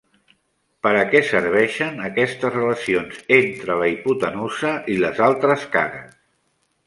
Per a què serveixen aquestes relacions entre la hipotenusa i les altres cares?